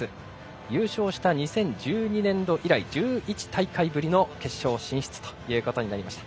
優勝した２０１２年度以来１１大会ぶりの決勝進出となりました。